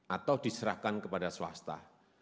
atau diserahkan kepada swasta